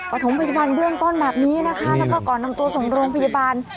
ประถมพยาบาลเบื้องต้นแบบนี้นะคะแล้วก็ก่อนนำตัวส่งโรงพยาบาล